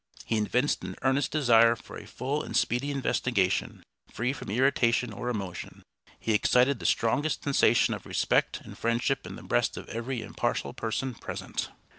He evinced an earnest desire for a full and speedy investigation free from irritation or emotion; he excited the strongest sensation of respect and friendship in the breast of every impartial person present."